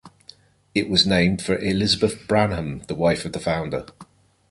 It was named for Elizabeth Branham, the wife of the founder.